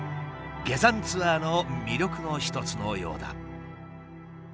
下山ツアーの魅力の一つのようだ。